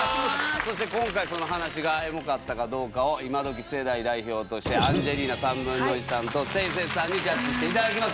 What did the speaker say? そして今回その話がエモかったかどうかをイマドキ世代代表としてアンジェリーナ１／３さんとせいせいさんにジャッジして頂きます。